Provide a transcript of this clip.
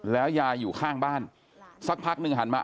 แล้วยายอยู่ข้างบ้านสักพักหนึ่งหันมา